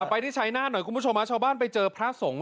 ไปที่ชัยหน้าหน่อยคุณผู้ชมชาวบ้านไปเจอพระสงฆ์